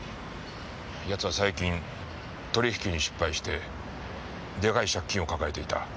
ヤツは最近取引に失敗してでかい借金を抱えていた。